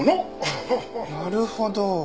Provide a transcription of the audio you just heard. なるほど。